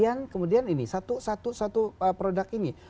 yang kemudian ini satu satu produk ini